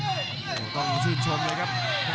ต้องชื่นชมเลยครับ